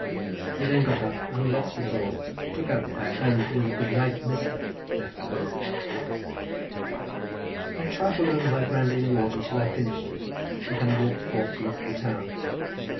He then got up, unlocked the drawer, took out the bag, and with a "good night, Mr.," left the room. I "trifled" over my brandy and water till I finished it, and then walked forth to look at the town.